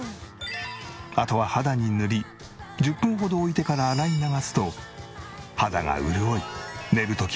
あとは肌に塗り１０分ほど置いてから洗い流すと肌が潤い寝る時もポカポカ。